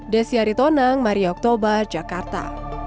desyari tonang maria oktober jakarta